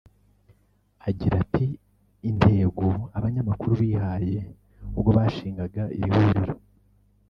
Agira ati “Intego abanyamuryango bihaye ubwo bashingaga iri huriro